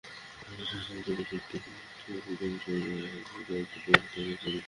প্রাক-রেনেসাঁ যুগের শিল্পী সিবাস্টিয়ানোর কিছু ছবি সেবার ন্যাশনাল গ্যালারিতে প্রথম দেখিয়েছিল।